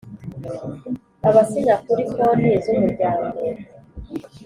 Abasinya kuri Konti z’Umuryango